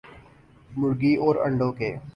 مرغی اور انڈوں ک